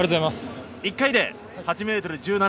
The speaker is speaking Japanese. １回で８ｍ１７。